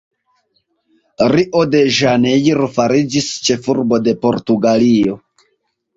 Rio-de-Ĵanejro fariĝis ĉefurbo de Portugalio.